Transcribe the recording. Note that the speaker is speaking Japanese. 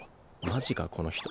マジかこの人。